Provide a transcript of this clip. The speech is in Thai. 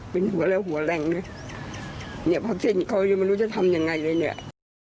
เป็นหัวแล้วหัวแรงด้วยเนี้ยเพราะฉะนั้นเขาไม่รู้จะทำยังไงเลยเนี้ย